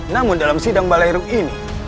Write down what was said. namun dalam sidang balai rung ini